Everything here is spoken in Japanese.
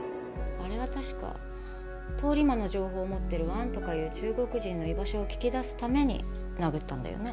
あれは確か通り魔の情報を持ってる王とかいう中国人の居場所を聞き出すために殴ったんだよね？